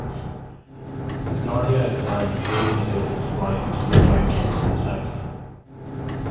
Narnia is a land of rolling hills rising to low mountains in the south.